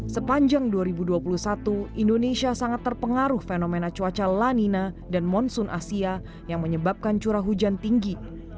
sepanjang dua ribu dua puluh satu indonesia sangat terpengaruh fenomena cuaca lanina dan monsoon asia yang menyebabkan curah hujan tinggi